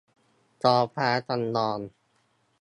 ท้องฟ้าจำลอง